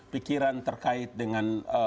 pikiran terkait dengan